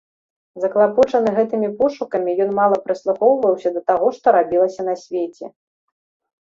Заклапочаны гэтымі пошукамі, ён мала прыслухоўваўся да таго, што рабілася на свеце.